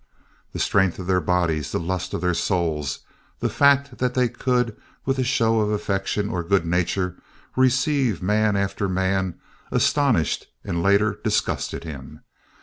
The strength of their bodies, the lust of their souls, the fact that they could, with a show of affection or good nature, receive man after man, astonished and later disgusted him.